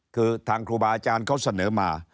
คือทางครูบาอาจารย์เขาเสนอมา